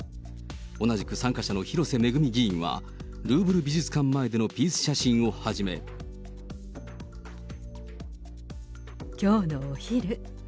同じく参加者の広瀬めぐみ議員は、ルーブル美術館前でのピース写真きょうのお昼。